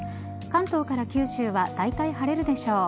関東から九州はだいたい晴れるでしょう。